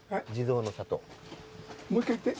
もう一回言って。